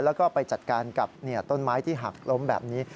แล้วก็ไปจัดการกับต้นไม้ที่หักล้มแบบนี้